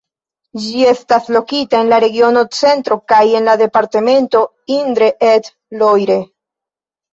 Ĝi estas lokita en la regiono Centro kaj en la departemento Indre-et-Loire.